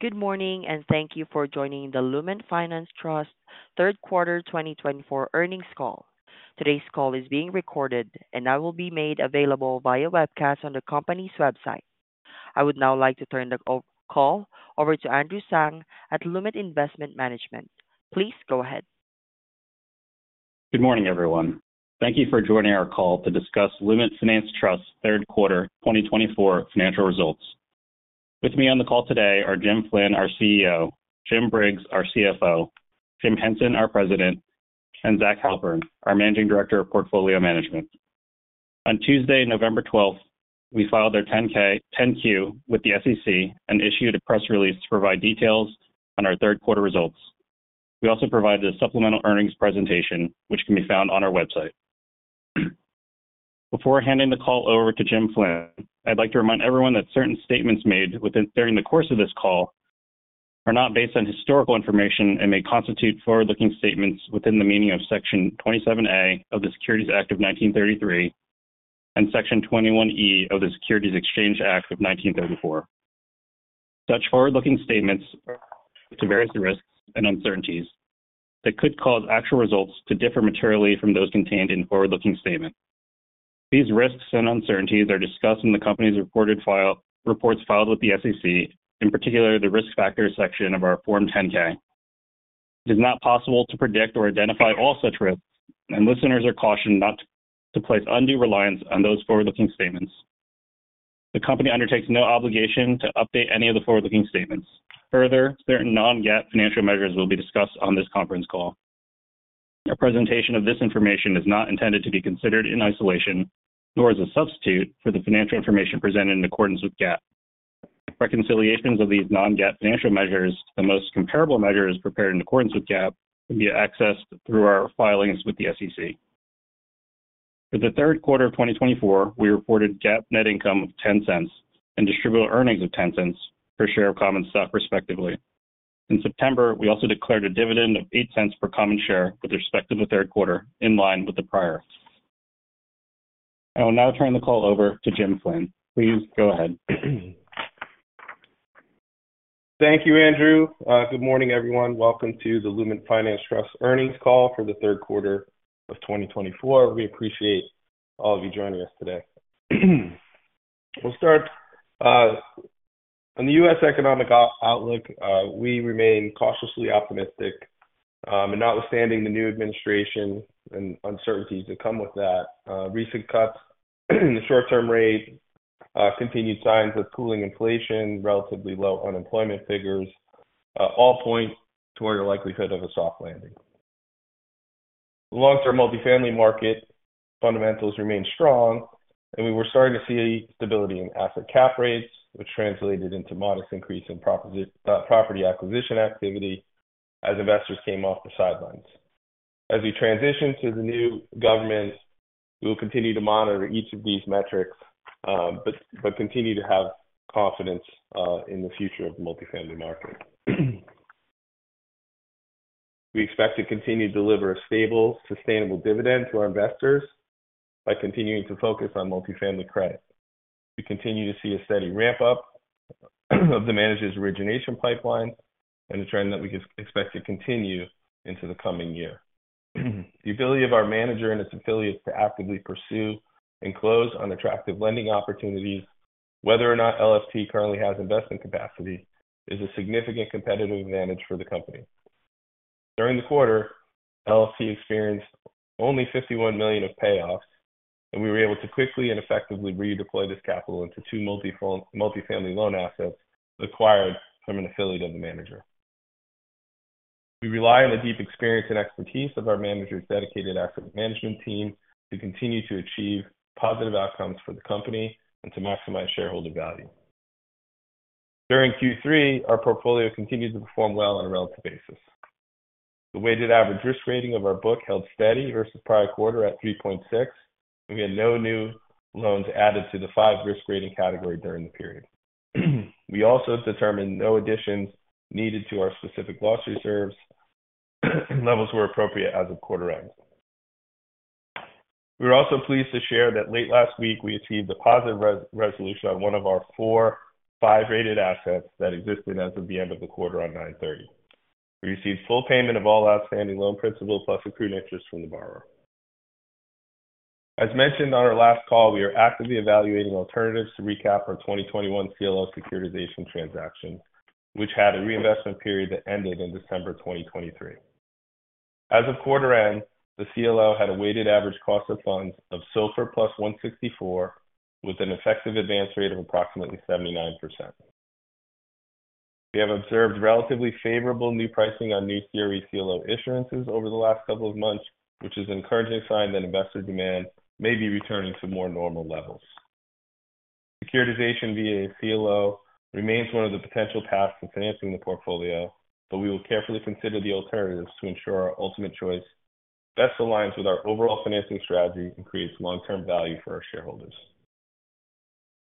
Good morning, and thank you for joining the Lument Finance Trust Q3 2024 Earnings Call. Today's call is being recorded, and I will be made available via webcast on the company's website. I would now like to turn the call over to Andrew Tsang at Lument Investment Management. Please go ahead. Good morning, everyone. Thank you for joining our call to discuss Lument Finance Trust Q3 2024 financial results. With me on the call today are Jim Flynn, our CEO, Jim Briggs, our CFO, Jim Henson, our President, and Zach Halpern, our Managing Director of Portfolio Management. On Tuesday, November 12th, we filed our 10-Q with the SEC and issued a press release to provide details on our Q3 results. We also provided a supplemental earnings presentation, which can be found on our website. Before handing the call over to Jim Flynn, I'd like to remind everyone that certain statements made during the course of this call are not based on historical information and may constitute forward-looking statements within the meaning of Section 27A of the Securities Act of 1933 and Section 21E of the Securities Exchange Act of 1934. Such forward-looking statements are subject to various risks and uncertainties that could cause actual results to differ materially from those contained in forward-looking statements. These risks and uncertainties are discussed in the company's reports filed with the SEC, in particular the risk factors section of our Form 10-K. It is not possible to predict or identify all such risks, and listeners are cautioned not to place undue reliance on those forward-looking statements. The company undertakes no obligation to update any of the forward-looking statements. Further, certain non-GAAP financial measures will be discussed on this conference call. Our presentation of this information is not intended to be considered in isolation, nor as a substitute for the financial information presented in accordance with GAAP. Reconciliations of these non-GAAP financial measures, the most comparable measures prepared in accordance with GAAP, can be accessed through our filings with the SEC. For the Q3 of 2024, we reported GAAP net income of $0.10 and distributable earnings of $0.10 per share of common stock, respectively. In September, we also declared a dividend of $0.08 per common share with respect to the Q3, in line with the prior. I will now turn the call over to Jim Flynn. Please go ahead. Thank you, Andrew. Good morning, everyone. Welcome to the Lument Finance Trust earnings call for the Q3 of 2024. We appreciate all of you joining us today. We'll start on the U.S. economic outlook. We remain cautiously optimistic, notwithstanding the new administration and uncertainties that come with that. Recent cuts in the short-term rate, continued signs of cooling inflation, relatively low unemployment figures, all point toward a likelihood of a soft landing. The long-term multifamily market fundamentals remain strong, and we were starting to see stability in asset cap rates, which translated into a modest increase in property acquisition activity as investors came off the sidelines. As we transition to the new government, we will continue to monitor each of these metrics but continue to have confidence in the future of the multifamily market. We expect to continue to deliver a stable, sustainable dividend to our investors by continuing to focus on multifamily credit. We continue to see a steady ramp-up of the manager's origination pipeline and a trend that we expect to continue into the coming year. The ability of our manager and its affiliates to actively pursue and close on attractive lending opportunities, whether or not LFT currently has investment capacity, is a significant competitive advantage for the company. During the quarter, LFT experienced only $51 million of payoffs, and we were able to quickly and effectively redeploy this capital into two multifamily loan assets acquired from an affiliate of the manager. We rely on the deep experience and expertise of our manager's dedicated asset management team to continue to achieve positive outcomes for the company and to maximize shareholder value. During Q3, our portfolio continued to perform well on a relative basis. The weighted average risk rating of our book held steady versus prior quarter at 3.6, and we had no new loans added to the five risk rating category during the period. We also determined no additions needed to our specific loss reserves, and levels were appropriate as of quarter end. We were also pleased to share that late last week, we achieved a positive resolution on one of our four five-rated assets that existed as of the end of the quarter on 9/30. We received full payment of all outstanding loan principal plus accrued interest from the borrower. As mentioned on our last call, we are actively evaluating alternatives to recap our 2021 CLO securitization transaction, which had a reinvestment period that ended in December 2023. As of quarter end, the CLO had a weighted average cost of funds of SOFR plus 164, with an effective advance rate of approximately 79%. We have observed relatively favorable new pricing on new CRE CLO issuances over the last couple of months, which is an encouraging sign that investor demand may be returning to more normal levels. Securitization via CLO remains one of the potential paths to financing the portfolio, but we will carefully consider the alternatives to ensure our ultimate choice best aligns with our overall financing strategy and creates long-term value for our shareholders.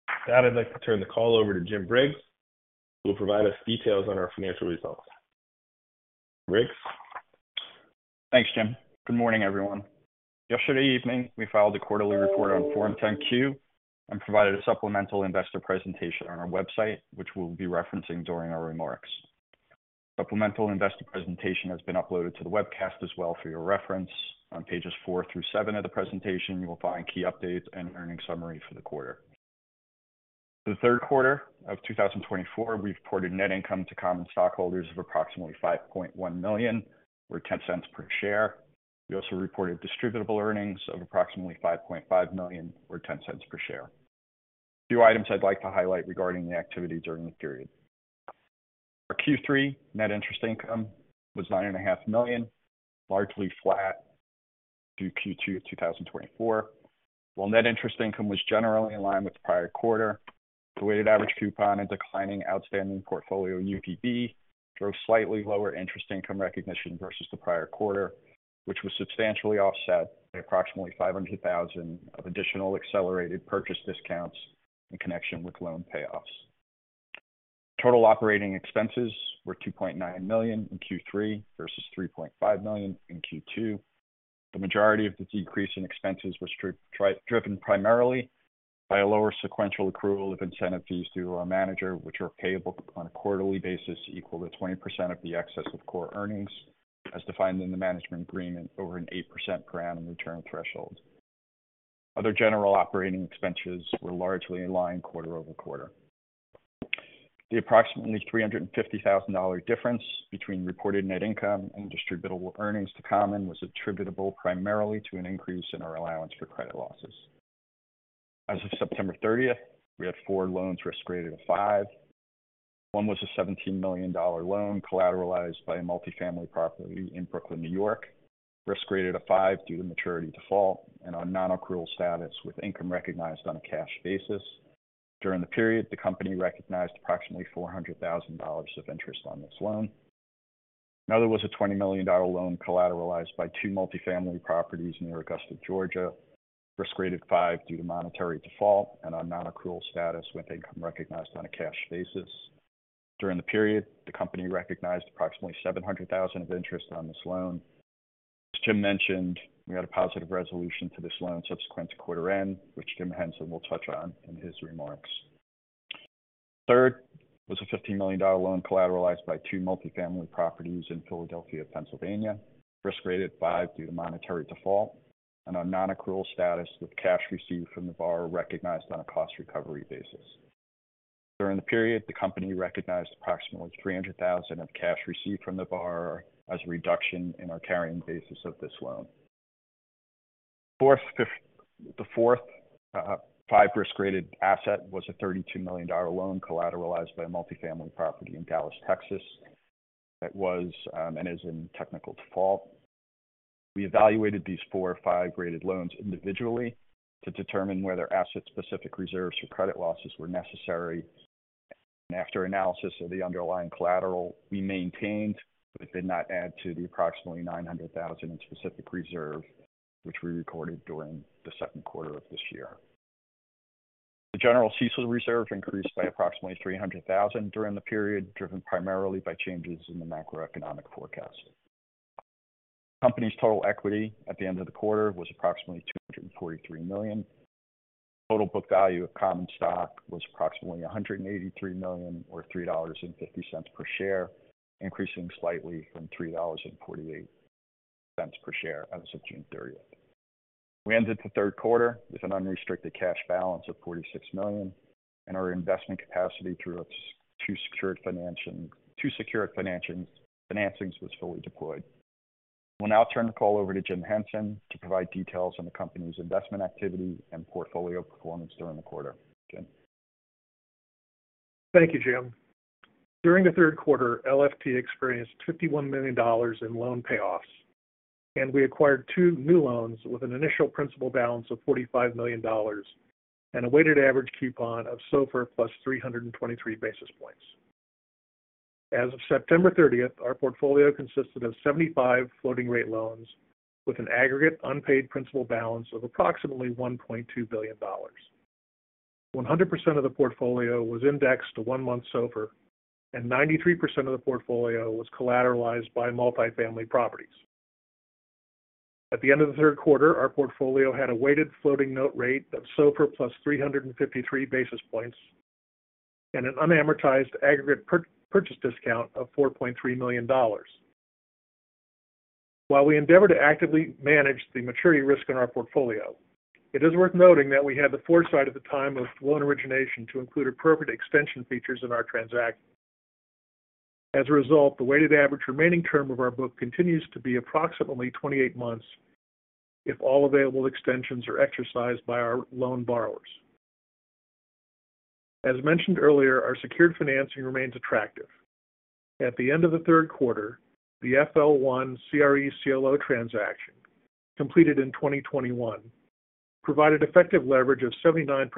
With that, I'd like to turn the call over to Jim Briggs, who will provide us details on our financial results. Jim Briggs. Thanks, Jim. Good morning, everyone. Yesterday evening, we filed a quarterly report on Form 10-Q and provided a supplemental investor presentation on our website, which we'll be referencing during our remarks. The supplemental investor presentation has been uploaded to the webcast as well for your reference. On pages four through seven of the presentation, you will find key updates and an earnings summary for the quarter. For the Q3 of 2024, we reported net income to common stockholders of approximately $5.1 million, or $0.10 per share. We also reported distributable earnings of approximately $5.5 million, or $0.10 per share. A few items I'd like to highlight regarding the activity during the period. Our Q3 net interest income was $9.5 million, largely flat through Q2 of 2024. While net interest income was generally in line with the prior quarter, the weighted average coupon and declining outstanding portfolio UPB drove slightly lower interest income recognition versus the prior quarter, which was substantially offset by approximately $500,000 of additional accelerated purchase discounts in connection with loan payoffs. Total operating expenses were $2.9 million in Q3 versus $3.5 million in Q2. The majority of the decrease in expenses was driven primarily by a lower sequential accrual of incentive fees due to our manager, which are payable on a quarterly basis equal to 20% of the excess of core earnings, as defined in the management agreement over an 8% per annum return threshold. Other general operating expenses were largely in line quarter-over-quarter. The approximately $350,000 difference between reported net income and distributable earnings to common was attributable primarily to an increase in our allowance for credit losses. As of September 30th, we had four loans risk-rated of five. One was a $17 million loan collateralized by a multifamily property in Brooklyn, New York, risk-rated of five due to maturity default and on non-accrual status with income recognized on a cash basis. During the period, the company recognized approximately $400,000 of interest on this loan. Another was a $20 million loan collateralized by two multifamily properties near Augusta, Georgia, risk-rated five due to monetary default and on non-accrual status with income recognized on a cash basis. During the period, the company recognized approximately $700,000 of interest on this loan. As Jim mentioned, we had a positive resolution to this loan subsequent to quarter end, which Jim Henson will touch on in his remarks. Third was a $15 million loan collateralized by two multifamily properties in Philadelphia, Pennsylvania, risk-rated five due to monetary default and on non-accrual status with cash received from the borrower recognized on a cost recovery basis. During the period, the company recognized approximately $300,000 of cash received from the borrower as a reduction in our carrying basis of this loan. The fourth five risk-rated asset was a $32 million loan collateralized by a multifamily property in Dallas, Texas, that was and is in technical default. We evaluated these four five-rated loans individually to determine whether asset-specific reserves or credit losses were necessary. After analysis of the underlying collateral, we maintained but did not add to the approximately $900,000 in specific reserve, which we recorded during the Q2 of this year. The general CECL reserve increased by approximately $300,000 during the period, driven primarily by changes in the macroeconomic forecast. The company's total equity at the end of the quarter was approximately $243 million. The total book value of common stock was approximately $183 million, or $3.50 per share, increasing slightly from $3.48 per share as of June 30th. We ended the Q3 with an unrestricted cash balance of $46 million, and our investment capacity through two secured financings was fully deployed. We'll now turn the call over to Jim Henson to provide details on the company's investment activity and portfolio performance during the quarter. Jim. Thank you, Jim. During the Q3, LFT experienced $51 million in loan payoffs, and we acquired two new loans with an initial principal balance of $45 million and a weighted average coupon of SOFR plus 323 basis points. As of September 30th, our portfolio consisted of 75 floating-rate loans with an aggregate unpaid principal balance of approximately $1.2 billion. 100% of the portfolio was indexed to one-month SOFR, and 93% of the portfolio was collateralized by multifamily properties. At the end of the Q3, our portfolio had a weighted floating note rate of SOFR plus 353 basis points and an unamortized aggregate purchase discount of $4.3 million. While we endeavor to actively manage the maturity risk in our portfolio, it is worth noting that we had the foresight at the time of loan origination to include appropriate extension features in our transaction. As a result, the weighted average remaining term of our book continues to be approximately 28 months if all available extensions are exercised by our loan borrowers. As mentioned earlier, our secured financing remains attractive. At the end of the Q3, the FL1 CRE CLO transaction, completed in 2021, provided effective leverage of 79%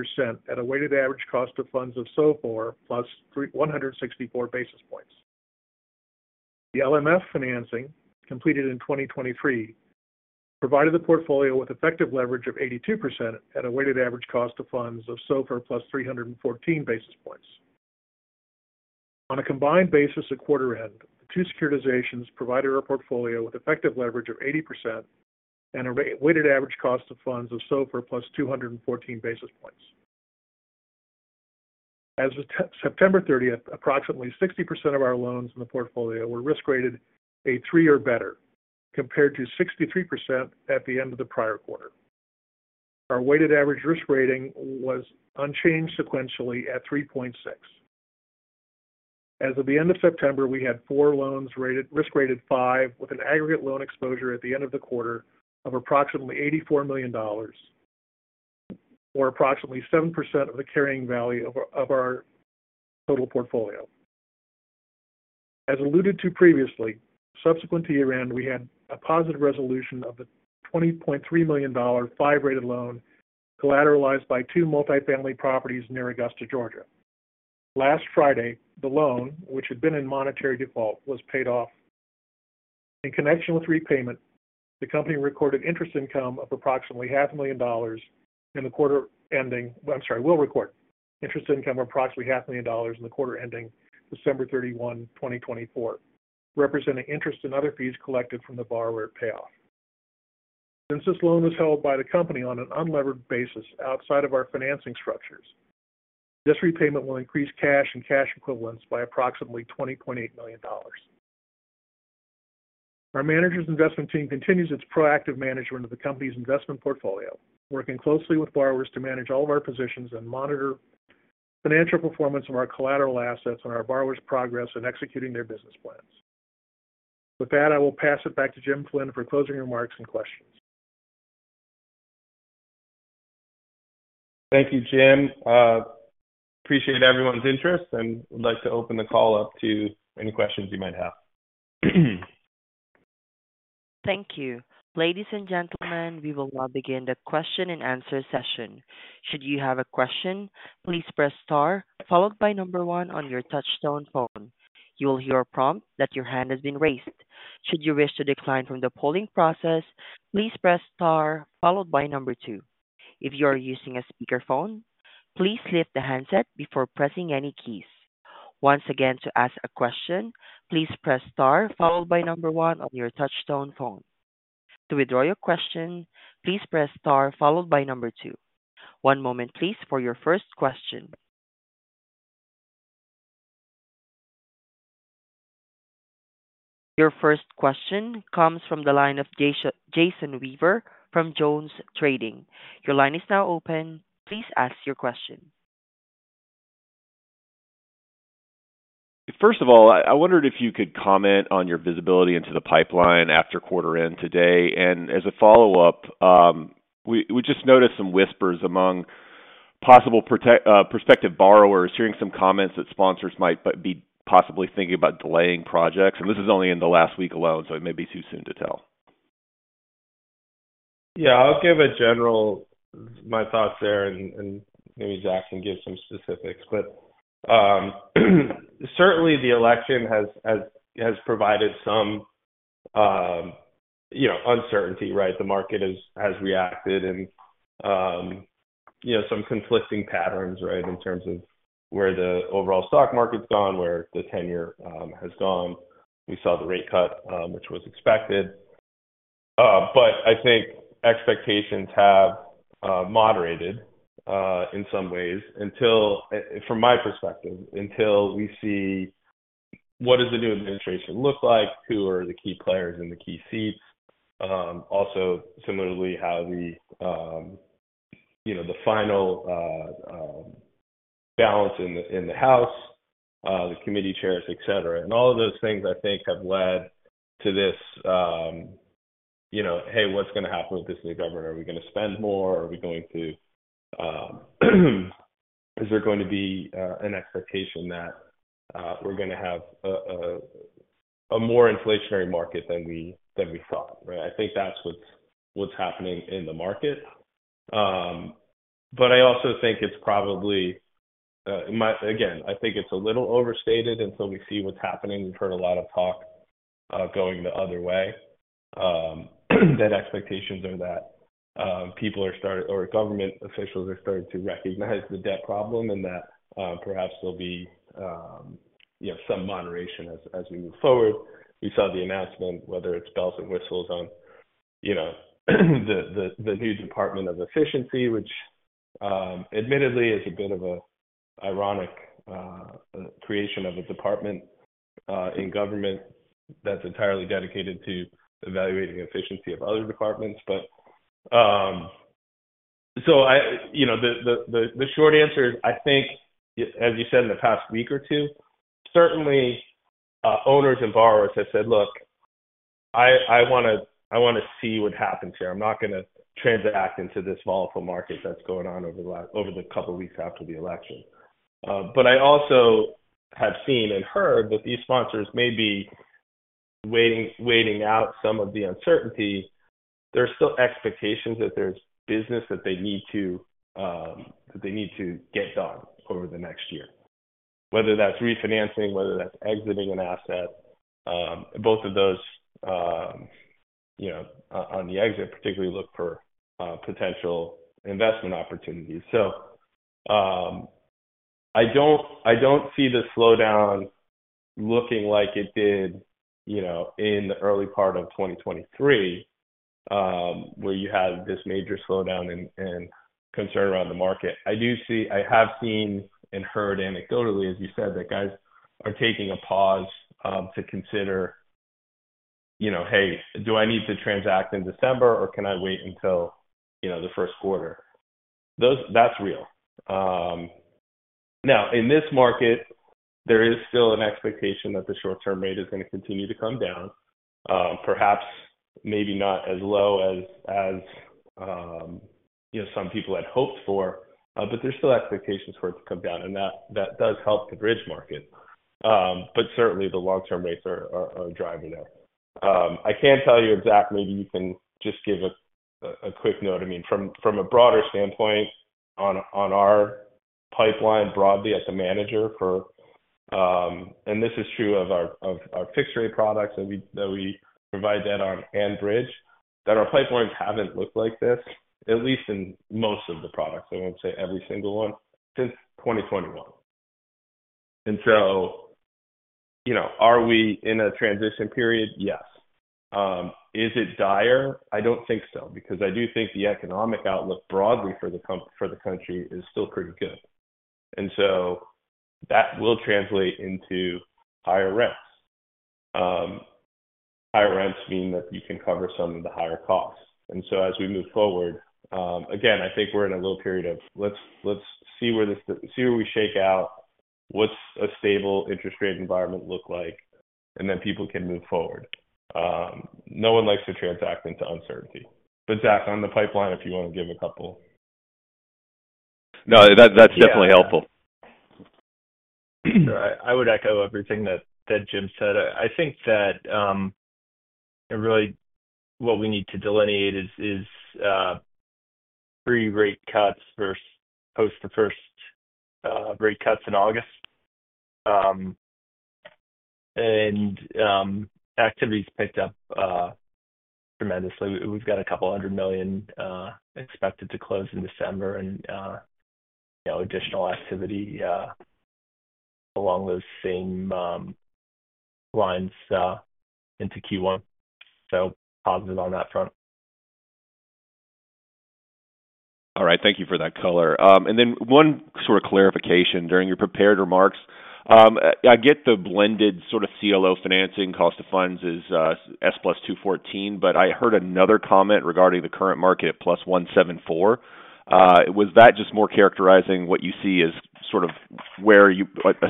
at a weighted average cost of funds of SOFR plus 164 basis points. The LMF financing, completed in 2023, provided the portfolio with effective leverage of 82% at a weighted average cost of funds of SOFR plus 314 basis points. On a combined basis at quarter end, the two securitizations provided our portfolio with effective leverage of 80% and a weighted average cost of funds of SOFR plus 214 basis points. As of September 30th, approximately 60% of our loans in the portfolio were risk-rated a three or better, compared to 63% at the end of the prior quarter. Our weighted average risk rating was unchanged sequentially at 3.6. As of the end of September, we had four loans risk-rated five with an aggregate loan exposure at the end of the quarter of approximately $84 million, or approximately 7% of the carrying value of our total portfolio. As alluded to previously, subsequent to year-end, we had a positive resolution of the $20.3 million five-rated loan collateralized by two multifamily properties near Augusta, Georgia. Last Friday, the loan, which had been in monetary default, was paid off. In connection with repayment, the company will record interest income of approximately $500,000 in the quarter ending December 31, 2024, representing interest and other fees collected from the borrower payoff. Since this loan was held by the company on an unlevered basis outside of our financing structures, this repayment will increase cash and cash equivalents by approximately $20.8 million. Our manager's investment team continues its proactive management of the company's investment portfolio, working closely with borrowers to manage all of our positions and monitor financial performance of our collateral assets and our borrowers' progress in executing their business plans. With that, I will pass it back to Jim Flynn for closing remarks and questions. Thank you, Jim. Appreciate everyone's interest and would like to open the call up to any questions you might have. Thank you. Ladies and gentlemen, we will now begin the question and answer session. Should you have a question, please press star, followed by number one on your touch-tone phone. You will hear a prompt that your hand has been raised. Should you wish to decline from the polling process, please press star, followed by number two. If you are using a speakerphone, please lift the handset before pressing any keys. Once again, to ask a question, please press star, followed by number one on your touch-tone phone. To withdraw your question, please press star, followed by number two. One moment, please, for your first question. Your first question comes from the line of Jason Weaver from JonesTrading. Your line is now open. Please ask your question. First of all, I wondered if you could comment on your visibility into the pipeline after quarter end today? And as a follow-up, we just noticed some whispers among possible prospective borrowers hearing some comments that sponsors might be possibly thinking about delaying projects, and this is only in the last week alone, so it may be too soon to tell. Yeah, I'll give a general my thoughts there, and maybe Jack can give some specifics. But certainly, the election has provided some uncertainty, right? The market has reacted and some conflicting patterns, right, in terms of where the overall stock market's gone, where the ten-year has gone. We saw the rate cut, which was expected. But I think expectations have moderated in some ways, from my perspective, until we see what does the new administration look like, who are the key players in the key seats, also similarly how the final balance in the House, the committee chairs, et cetera. And all of those things, I think, have led to this, "Hey, what's going to happen with this new government? Are we going to spend more? Is there going to be an expectation that we're going to have a more inflationary market than we thought?" Right? I think that's what's happening in the market. But I also think it's probably again, I think it's a little overstated until we see what's happening. We've heard a lot of talk going the other way that expectations are that people are starting or government officials are starting to recognize the debt problem and that perhaps there'll be some moderation as we move forward. We saw the announcement, whether it's bells and whistles, on the new Department of Government Efficiency, which admittedly is a bit of an ironic creation of a department in government that's entirely dedicated to evaluating efficiency of other departments. So the short answer is, I think, as you said in the past week or two, certainly, owners and borrowers have said, "Look, I want to see what happens here. I'm not going to transact into this volatile market that's going on over the couple of weeks after the election." But I also have seen and heard that these sponsors may be waiting out some of the uncertainty. There are still expectations that there's business that they need to get done over the next year, whether that's refinancing, whether that's exiting an asset. Both of those on the exit particularly look for potential investment opportunities. So I don't see the slowdown looking like it did in the early part of 2023, where you had this major slowdown and concern around the market. I have seen and heard, anecdotally, as you said, that guys are taking a pause to consider, "Hey, do I need to transact in December, or can I wait until the Q1?" That's real. Now, in this market, there is still an expectation that the short-term rate is going to continue to come down, perhaps maybe not as low as some people had hoped for, but there's still expectations for it to come down, and that does help the bridge market, but certainly, the long-term rates are driving it. I can't tell you exactly. Maybe you can just give a quick note. I mean, from a broader standpoint on our pipeline broadly at the manager for and this is true of our fixed-rate products that we provide debt on and bridge, that our pipelines haven't looked like this, at least in most of the products. I won't say every single one since 2021, and so are we in a transition period? Yes. Is it dire? I don't think so because I do think the economic outlook broadly for the country is still pretty good. And so that will translate into higher rents. Higher rents mean that you can cover some of the higher costs. And so as we move forward, again, I think we're in a little period of, "Let's see where we shake out. What's a stable interest rate environment look like?" And then people can move forward. No one likes to transact into uncertainty. But Jack, on the pipeline, if you want to give a couple. No, that's definitely helpful. I would echo everything that Jim said. I think that really what we need to delineate is pre-rate cuts versus post the first rate cuts in August, and activity's picked up tremendously. We've got $200 million expected to close in December and additional activity along those same lines into Q1, so positive on that front. All right. Thank you for that color. And then one sort of clarification during your prepared remarks. I get the blended sort of CLO financing cost of funds is S plus 214, but I heard another comment regarding the current market at S plus 174. Was that just more characterizing what you see as sort of where a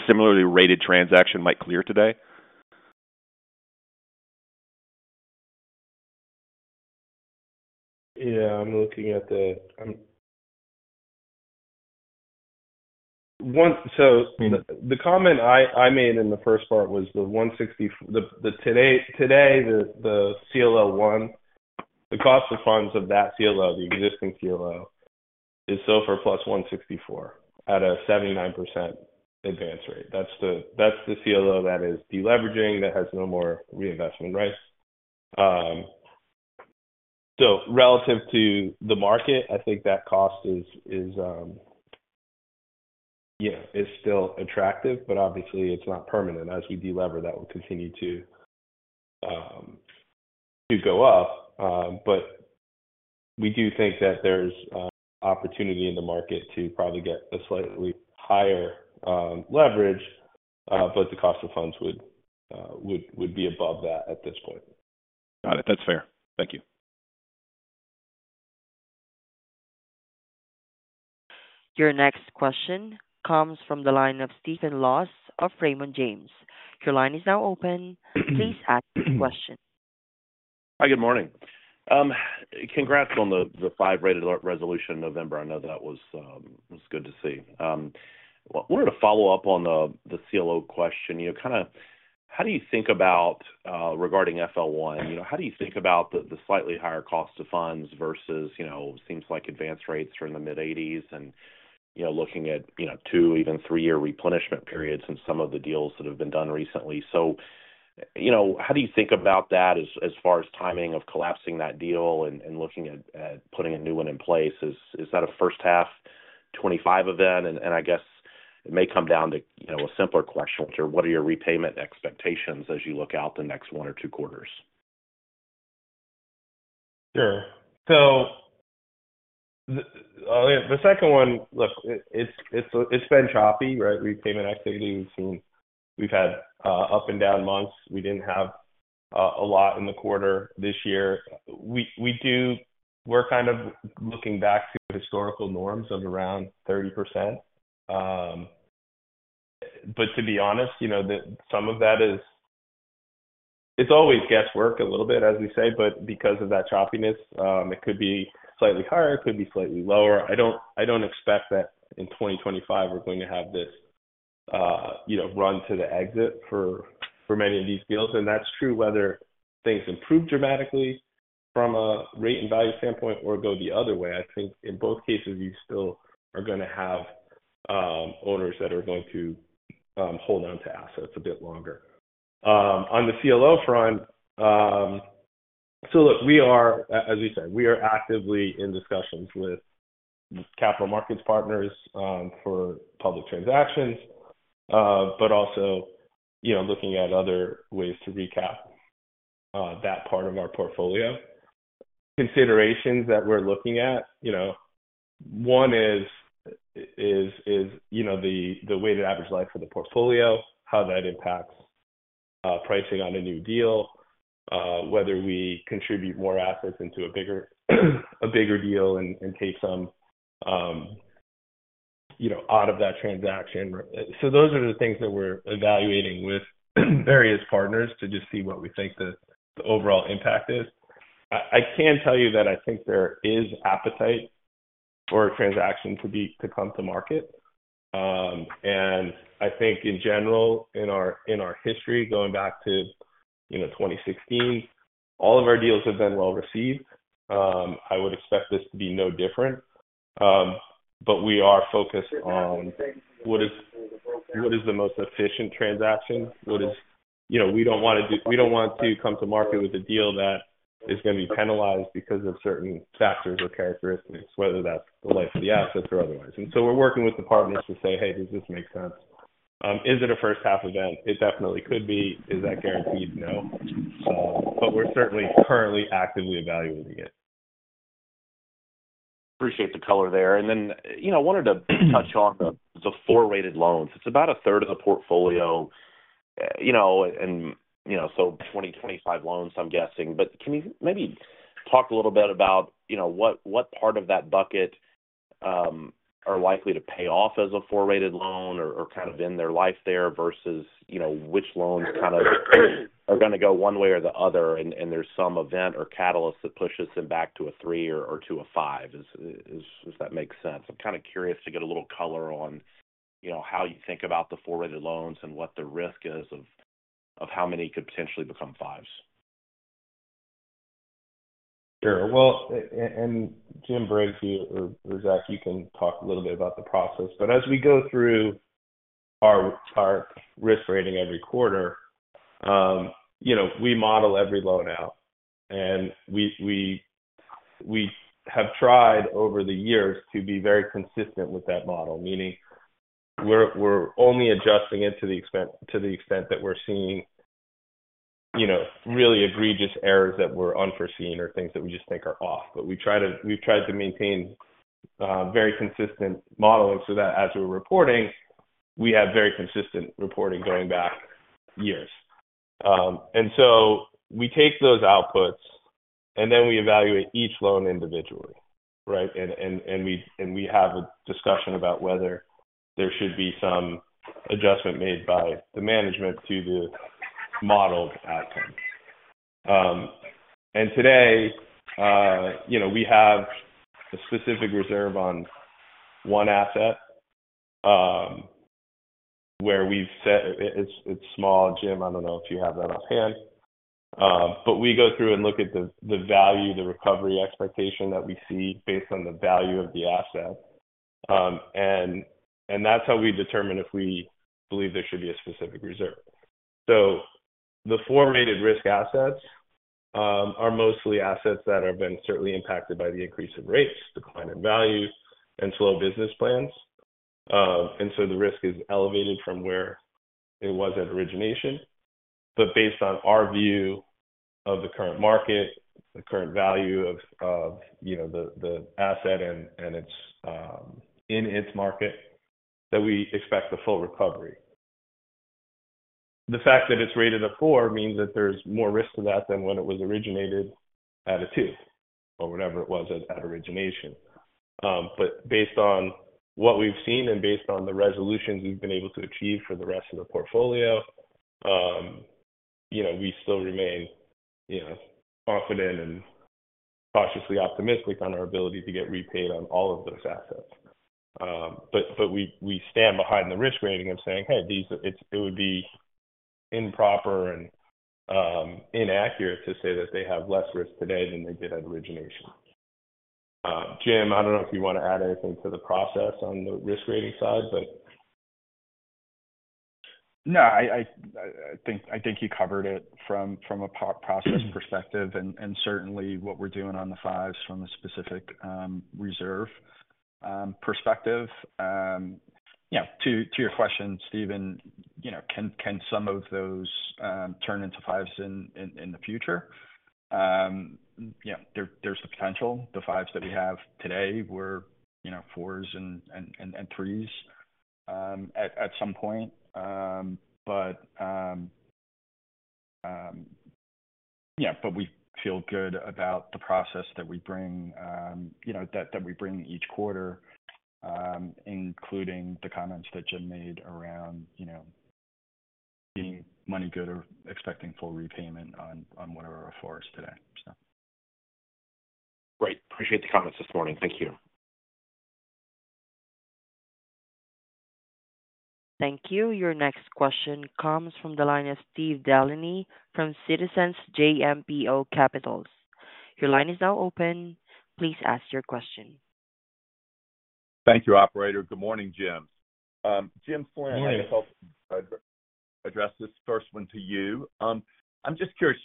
similarly rated transaction might clear today? Yeah, I'm looking at, so the comment I made in the first part was the 164. Today, the CLO1, the cost of funds of that CLO, the existing CLO, is SOFR plus 164 at a 79% advance rate. That's the CLO that is deleveraging, that has no more reinvestment, right? So relative to the market, I think that cost is still attractive, but obviously, it's not permanent. As we delever, that will continue to go up. But we do think that there's opportunity in the market to probably get a slightly higher leverage, but the cost of funds would be above that at this point. Got it. That's fair. Thank you. Your next question comes from the line of Stephen Laws of Raymond James. Your line is now open. Please ask your question. Hi, good morning. Congrats on the five-rated resolution in November. I know that was good to see. I wanted to follow up on the CLO question. Kind of how do you think about regarding FL1? How do you think about the slightly higher cost of funds versus it seems like advance rates are in the mid-80s and looking at two, even three-year replenishment periods in some of the deals that have been done recently? So how do you think about that as far as timing of collapsing that deal and looking at putting a new one in place? Is that a first half 2025 event? And I guess it may come down to a simpler question, which are what are your repayment expectations as you look out the next one or two quarters? Sure. So the second one, look, it's been choppy, right? Repayment activity, we've had up and down months. We didn't have a lot in the quarter this year. We're kind of looking back to historical norms of around 30%. But to be honest, some of that is it's always guesswork a little bit, as we say, but because of that choppiness, it could be slightly higher, it could be slightly lower. I don't expect that in 2025, we're going to have this run to the exit for many of these deals. And that's true whether things improve dramatically from a rate and value standpoint or go the other way. I think in both cases, you still are going to have owners that are going to hold on to assets a bit longer. On the CLO front, so look, as we said, we are actively in discussions with capital markets partners for public transactions, but also looking at other ways to recap that part of our portfolio. Considerations that we're looking at, one is the weighted average life of the portfolio, how that impacts pricing on a new deal, whether we contribute more assets into a bigger deal and take some out of that transaction. So those are the things that we're evaluating with various partners to just see what we think the overall impact is. I can tell you that I think there is appetite for a transaction to come to market. And I think in general, in our history, going back to 2016, all of our deals have been well received. I would expect this to be no different. But we are focused on what is the most efficient transaction? We don't want to come to market with a deal that is going to be penalized because of certain factors or characteristics, whether that's the life of the assets or otherwise. And so we're working with the partners to say, "Hey, does this make sense? Is it a first-half event? It definitely could be. Is that guaranteed? No." But we're certainly currently actively evaluating it. Appreciate the color there. And then I wanted to touch on the four-rated loans. It's about a third of the portfolio. And so 2025 loans, I'm guessing. But can you maybe talk a little bit about what part of that bucket are likely to pay off as a four-rated loan or kind of in their life there versus which loans kind of are going to go one way or the other and there's some event or catalyst that pushes them back to a three or to a five, if that makes sense? I'm kind of curious to get a little color on how you think about the four-rated loans and what the risk is of how many could potentially become fives. Sure. Well, and Jim Briggs or Zach, you can talk a little bit about the process. But as we go through our risk rating every quarter, we model every loan out. And we have tried over the years to be very consistent with that model, meaning we're only adjusting it to the extent that we're seeing really egregious errors that were unforeseen or things that we just think are off. But we've tried to maintain very consistent modeling so that as we're reporting, we have very consistent reporting going back years. And so we take those outputs, and then we evaluate each loan individually, right? And we have a discussion about whether there should be some adjustment made by the management to the modeled outcome. And today, we have a specific reserve on one asset where we've set. It's small. Jim, I don't know if you have that offhand. But we go through and look at the value, the recovery expectation that we see based on the value of the asset. And that's how we determine if we believe there should be a specific reserve. So the four-rated risk assets are mostly assets that have been certainly impacted by the increase of rates, decline in value, and slow business plans. And so the risk is elevated from where it was at origination. But based on our view of the current market, the current value of the asset and its market, that we expect the full recovery. The fact that it's rated a four means that there's more risk to that than when it was originated at a two or whatever it was at origination. But based on what we've seen and based on the resolutions we've been able to achieve for the rest of the portfolio, we still remain confident and cautiously optimistic on our ability to get repaid on all of those assets. But we stand behind the risk rating and saying, "Hey, it would be improper and inaccurate to say that they have less risk today than they did at origination." Jim, I don't know if you want to add anything to the process on the risk rating side, but. No, I think you covered it from a process perspective, and certainly what we're doing on the fives from a specific reserve perspective. Yeah, to your question, Stephen, can some of those turn into fives in the future? There's the potential. The fives that we have today were fours and threes at some point, but yeah, but we feel good about the process that we bring each quarter, including the comments that Jim made around being money good or expecting full repayment on one or a fours today, so. Great. Appreciate the comments this morning. Thank you. Thank you. Your next question comes from the line of Steve Delaney from Citizens JMP Securities. Your line is now open. Please ask your question. Thank you, operator. Good morning, Jim. Jim Flynn, I want to address this first one to you. I'm just curious.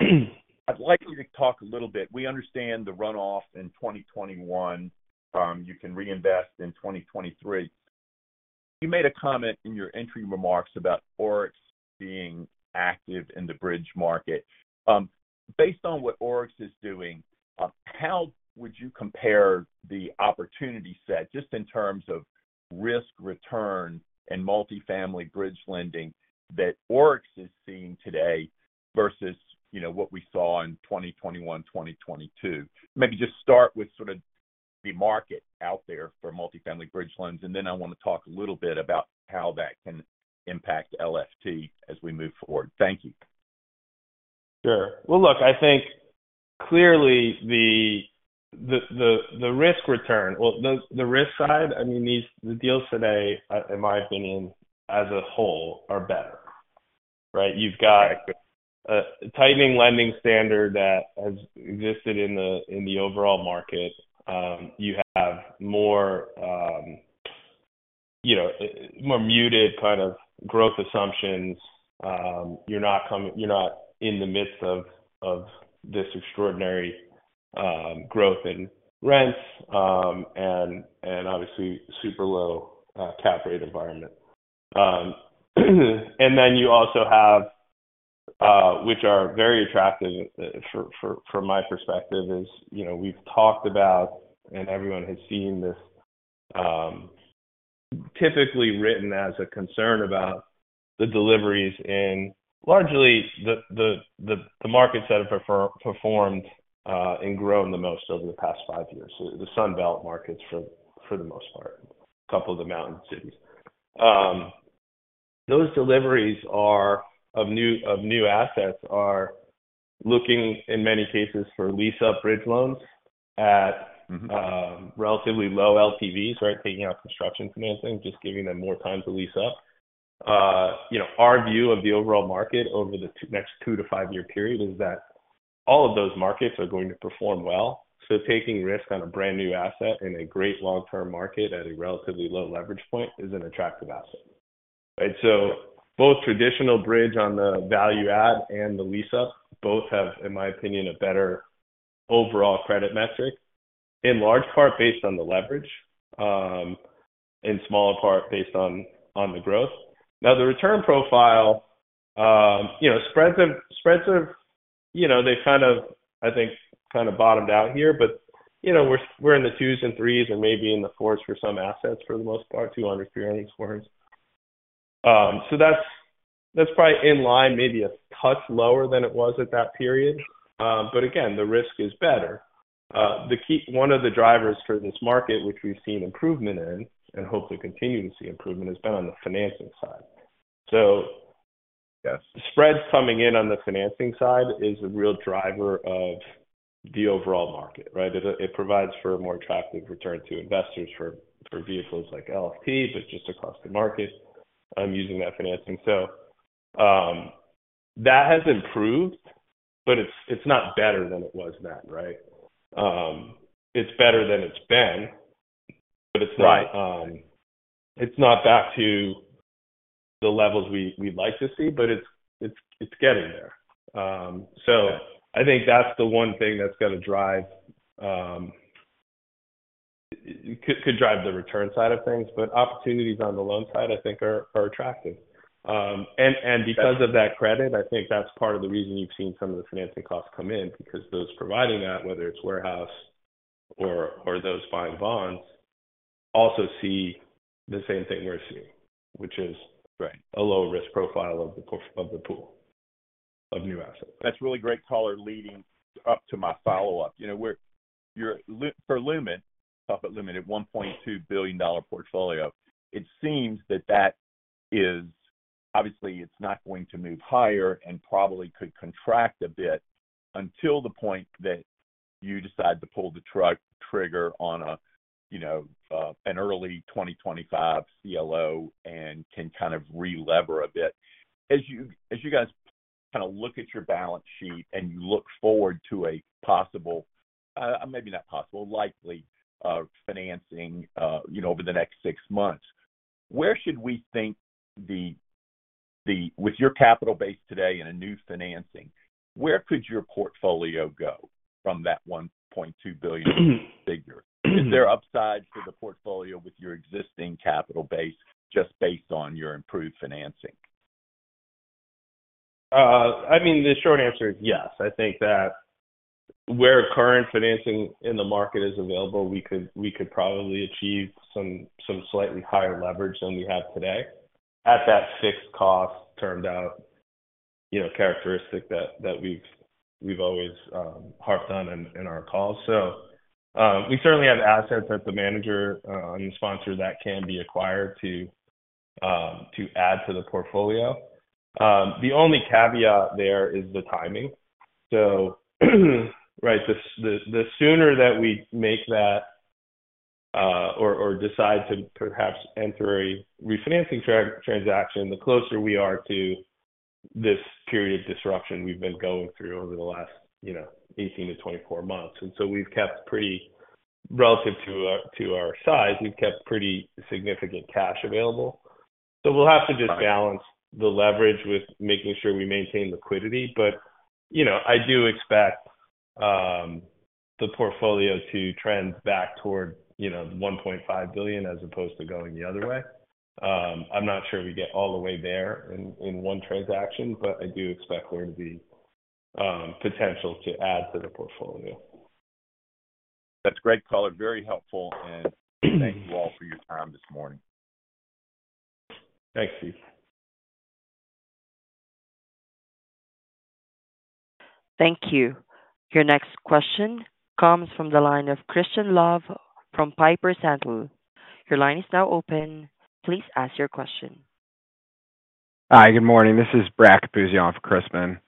I'd like you to talk a little bit. We understand the runoff in 2021. You can reinvest in 2023. You made a comment in your entry remarks about ORIX being active in the bridge market. Based on what ORIX is doing, how would you compare the opportunity set just in terms of risk, return, and multifamily bridge lending that ORIX is seeing today versus what we saw in 2021, 2022? Maybe just start with sort of the market out there for multifamily bridge loans, and then I want to talk a little bit about how that can impact LFT as we move forward. Thank you. Sure. Well, look, I think clearly the risk return well, the risk side, I mean, the deals today, in my opinion, as a whole, are better, right? You've got a tightening lending standard that has existed in the overall market. You have more muted kind of growth assumptions. You're not in the midst of this extraordinary growth in rents and obviously super low cap rate environment. And then you also have, which are very attractive from my perspective, as we've talked about and everyone has seen this typically written as a concern about the deliveries in largely the markets that have performed and grown the most over the past five years, the Sunbelt markets for the most part, a couple of the mountain cities. Those deliveries of new assets are looking, in many cases, for lease-up bridge loans at relatively low LTVs, right, taking out construction financing, just giving them more time to lease up. Our view of the overall market over the next two- to five-year period is that all of those markets are going to perform well. So taking risk on a brand new asset in a great long-term market at a relatively low leverage point is an attractive asset. And so both traditional bridge on the value add and the lease-up both have, in my opinion, a better overall credit metric, in large part based on the leverage and small part based on the growth. Now, the return profile, spreads have, they've kind of, I think, kind of bottomed out here, but we're in the twos and threes and maybe in the fours for some assets for the most part, 200-300 basis points. So that's probably in line, maybe a touch lower than it was at that period. But again, the risk is better. One of the drivers for this market, which we've seen improvement in and hope to continue to see improvement, has been on the financing side. So spreads coming in on the financing side is a real driver of the overall market, right? It provides for a more attractive return to investors for vehicles like LFT, but just across the market using that financing. So that has improved, but it's not better than it was then, right? It's better than it's been, but it's not back to the levels we'd like to see, but it's getting there, so I think that's the one thing that's going to drive the return side of things, but opportunities on the loan side, I think, are attractive, and because of that credit, I think that's part of the reason you've seen some of the financing costs come in, because those providing that, whether it's warehouse or those buying bonds, also see the same thing we're seeing, which is a low risk profile of the pool of new assets. That's really great, Caller leading up to my follow-up. For Lument, let's talk about Lument, a $1.2 billion portfolio. It seems that that is obviously, it's not going to move higher and probably could contract a bit until the point that you decide to pull the trigger on an early 2025 CLO and can kind of re-lever a bit. As you guys kind of look at your balance sheet and you look forward to a possible, maybe not possible, likely financing over the next six months, where should we think with your capital base today and a new financing, where could your portfolio go from that $1.2 billion figure? Is there upside for the portfolio with your existing capital base just based on your improved financing? I mean, the short answer is yes. I think that where current financing in the market is available, we could probably achieve some slightly higher leverage than we have today at that fixed cost turned out characteristic that we've always harped on in our calls. So we certainly have assets that the manager and the sponsor that can be acquired to add to the portfolio. The only caveat there is the timing. So, right, the sooner that we make that or decide to perhaps enter a refinancing transaction, the closer we are to this period of disruption we've been going through over the last 18-24 months. And so we've kept pretty relative to our size, we've kept pretty significant cash available. So we'll have to just balance the leverage with making sure we maintain liquidity. But I do expect the portfolio to trend back toward $1.5 billion as opposed to going the other way. I'm not sure we get all the way there in one transaction, but I do expect there to be potential to add to the portfolio. That's great, Caller. Very helpful, and thank you all for your time this morning. Thanks, Steve. Thank you. Your next question comes from the line of Crispin Love from Piper Sandler. Your line is now open. Please ask your question. Hi, good morning. This is Brack Bouzian for Crispin.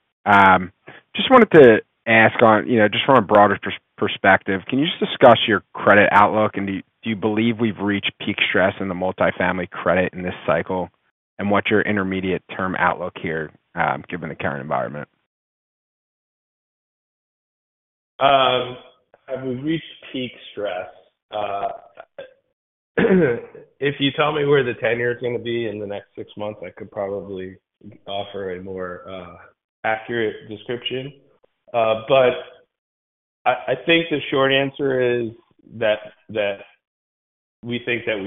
Just wanted to ask on just from a broader perspective, can you just discuss your credit outlook? And do you believe we've reached peak stress in the multifamily credit in this cycle? And what's your intermediate term outlook here given the current environment? Have we reached peak stress? If you tell me where the 10-year is going to be in the next six months, I could probably offer a more accurate description. But I think the short answer is that we think that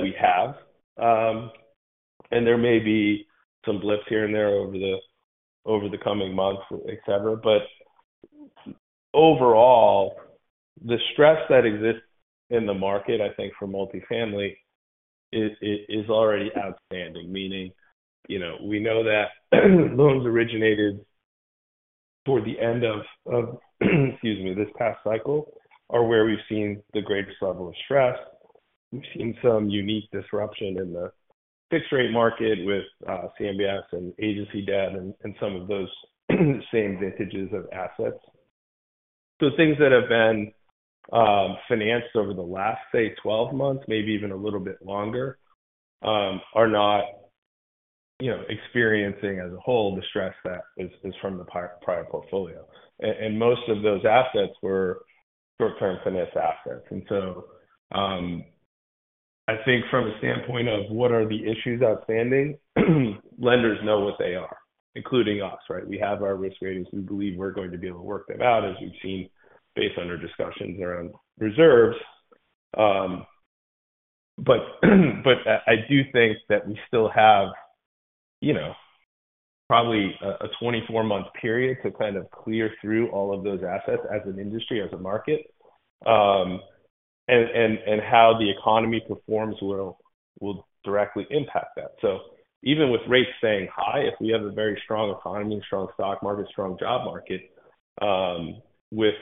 we have, and there may be some blips here and there over the coming months, etc., but overall, the stress that exists in the market, I think, for multifamily is already outstanding. Meaning we know that loans originated toward the end of, excuse me, this past cycle are where we've seen the greatest level of stress. We've seen some unique disruption in the fixed-rate market with CMBS and agency debt and some of those same vintages of assets, so things that have been financed over the last, say, 12 months, maybe even a little bit longer, are not experiencing as a whole the stress that is from the prior portfolio. Most of those assets were short-term finance assets. And so I think from a standpoint of what are the issues outstanding, lenders know what they are, including us, right? We have our risk ratings. We believe we're going to be able to work them out as we've seen based on our discussions around reserves. But I do think that we still have probably a 24-month period to kind of clear through all of those assets as an industry, as a market. And how the economy performs will directly impact that. So even with rates staying high, if we have a very strong economy, strong stock market, strong job market with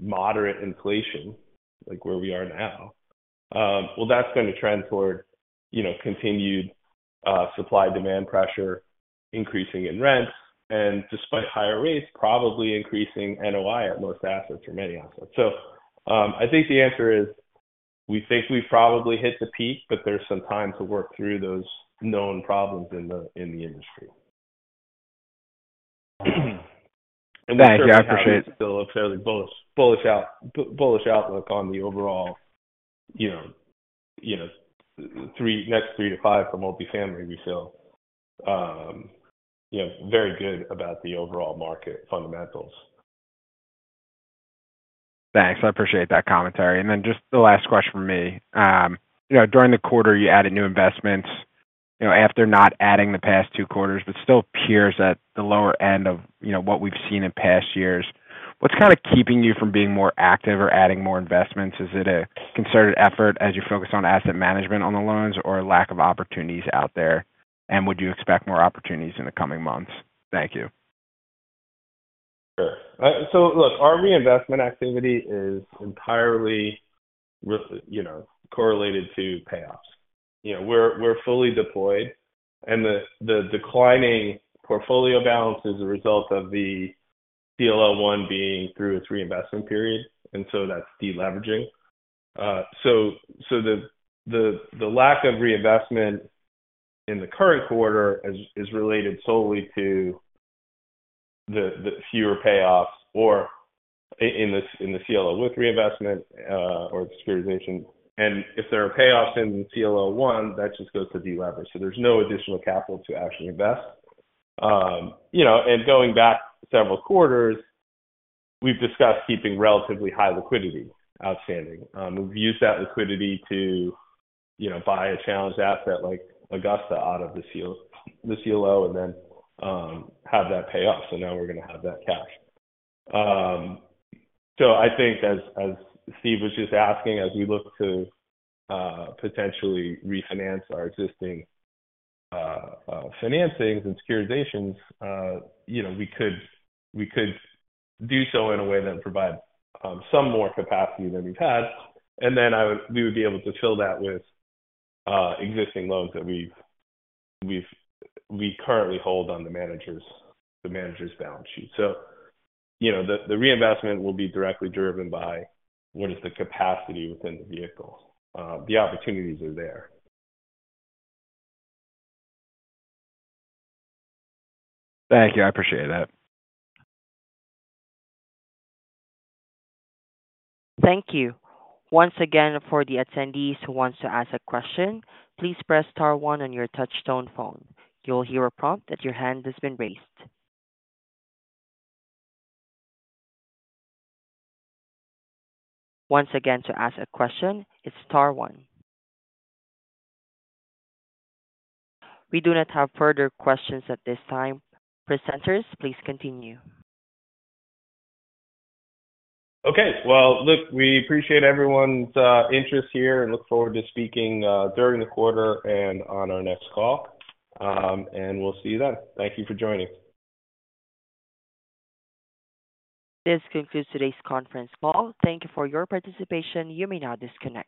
moderate inflation like where we are now, well, that's going to trend toward continued supply-demand pressure, increasing in rents, and despite higher rates, probably increasing NOI at most assets or many assets. So I think the answer is we think we've probably hit the peak, but there's some time to work through those known problems in the industry, and we'll see if there's still a fairly bullish outlook on the overall next three to five for multifamily. We feel very good about the overall market fundamentals. Thanks. I appreciate that commentary. And then just the last question for me. During the quarter, you added new investments after not adding the past two quarters, but still peers at the lower end of what we've seen in past years. What's kind of keeping you from being more active or adding more investments? Is it a concerted effort as you focus on asset management on the loans or a lack of opportunities out there? And would you expect more opportunities in the coming months? Thank you. Sure. So look, our reinvestment activity is entirely correlated to payoffs. We're fully deployed. And the declining portfolio balance is a result of the CLO one being through its reinvestment period. And so that's deleveraging. So the lack of reinvestment in the current quarter is related solely to the fewer payoffs in the CLO with reinvestment or securitization. And if there are payoffs in the CLO one, that just goes to deleverage. So there's no additional capital to actually invest. And going back several quarters, we've discussed keeping relatively high liquidity outstanding. We've used that liquidity to buy a challenged asset like Augusta out of the CLO and then have that payoff. So now we're going to have that cash. So I think, as Steve was just asking, as we look to potentially refinance our existing financings and securitizations, we could do so in a way that provides some more capacity than we've had. And then we would be able to fill that with existing loans that we currently hold on the manager's balance sheet. So the reinvestment will be directly driven by what is the capacity within the vehicles. The opportunities are there. Thank you. I appreciate that. Thank you. Once again, for the attendees who want to ask a question, please press star one on your touch-tone phone. You'll hear a prompt that your hand has been raised. Once again, to ask a question, it's star one. We do not have further questions at this time. Presenters, please continue. Okay. Well, look, we appreciate everyone's interest here and look forward to speaking during the quarter and on our next call. And we'll see you then. Thank you for joining. This concludes today's conference call. Thank you for your participation. You may now disconnect.